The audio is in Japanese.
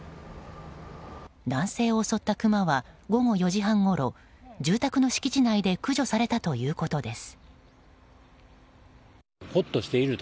男性を襲ったクマは午後４時半ごろ住宅の敷地内で駆除されたということです。